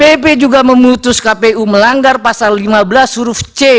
dp juga memutus kpu melanggar pasal lima belas huruf c